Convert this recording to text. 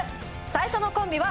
最初のコンビは。